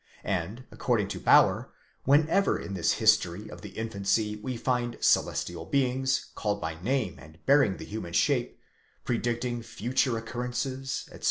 And, according to Bauer, whenever in this history of the infancy we find celestial beings, called by name and bearing the human shape, predicting future occurrences, etc.